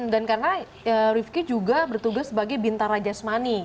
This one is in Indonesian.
dan karena rifqi juga bertugas sebagai bintara jasmani